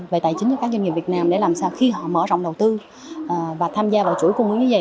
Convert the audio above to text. về tài chính cho các doanh nghiệp việt nam để làm sao khi họ mở rộng đầu tư và tham gia vào chuỗi cung ứng như vậy